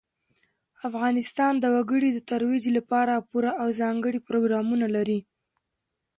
افغانستان د وګړي د ترویج لپاره پوره او ځانګړي پروګرامونه لري.